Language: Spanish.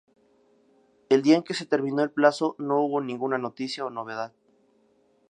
El día en que se terminó el plazo, no hubo ninguna noticia o novedad.